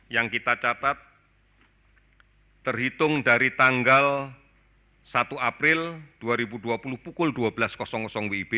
yang kita catat terhitung dari tanggal satu april dua ribu dua puluh pukul dua belas wib